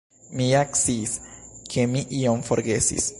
Mi ja sciis, ke mi ion forgesis.